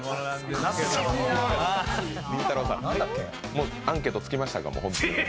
もうアンケート尽きましたか？